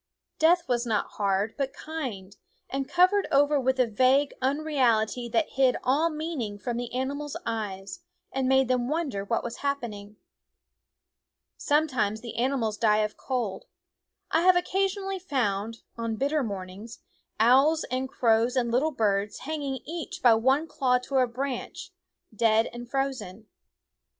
Death was not hard, but kind, THE WOODS and covered over with a vague unreality that hid all meaning from the animals' eyes and made them wonder w r hat was happening. Sometimes the animals die of cold. I have occasionally found, on bitter mornings, owls and crows and little birds hanging each by one claw to a branch, dead and frozen.